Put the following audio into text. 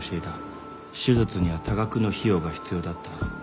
手術には多額の費用が必要だった。